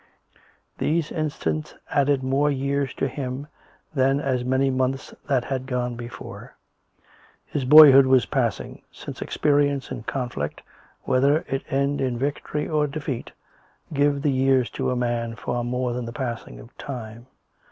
These instants added more years to him than as many months that had gone before. His boyhood was passing, since experience and conflict^ whether it end in victory or defeat, give the years COME RACK! COME ROPE! US to a man far more than the passing of time.